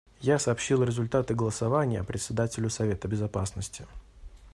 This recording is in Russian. Я сообщил результаты голосования Председателю Совета Безопасности.